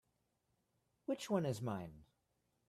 Which one is mine?